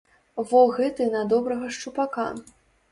Во гэты на добрага шчупака.